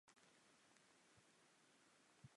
Mladší bratr Arnošt získal pod správu Štýrsko.